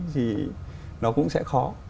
thì nó cũng sẽ khó